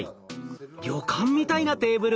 旅館みたいなテーブル！